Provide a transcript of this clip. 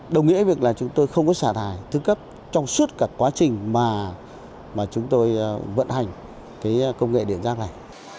đồng nghĩa việc là chúng tôi không có xả thải thứ cấp trong suốt cả quá trình mà chúng tôi vận hành cái công nghệ điện rác này